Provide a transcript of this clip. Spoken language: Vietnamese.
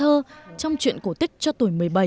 thơ trong chuyện cổ tích cho tuổi một mươi bảy